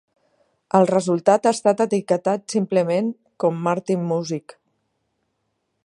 El resultat ha estat etiquetat simplement com Martin Music.